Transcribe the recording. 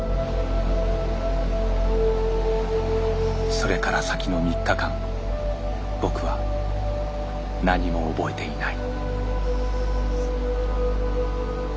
それから先の３日間僕は何も覚えていない。